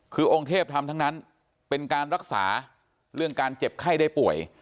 คือองค์เทพทำทั้งนั้นเป็นการรักษาเรื่องการเจ็บไข้ได้ป่วย